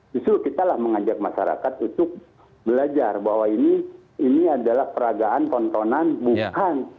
justru kitalah mengajak masyarakat untuk belajar bahwa ini adalah peragaan tontonan bukan